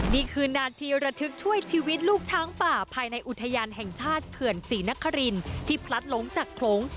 นี่คือนาทีระทึกช่วยชีวิตลูกช้างป่าภายในอุทยานแห่งชาติเขื่อนศรีนครินที่พลัดหลงจากโขลง